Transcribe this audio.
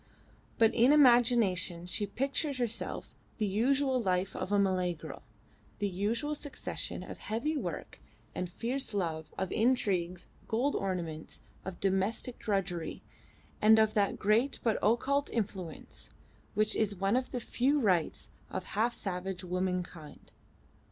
But in imagination she pictured to herself the usual life of a Malay girl the usual succession of heavy work and fierce love, of intrigues, gold ornaments, of domestic drudgery, and of that great but occult influence which is one of the few rights of half savage womankind.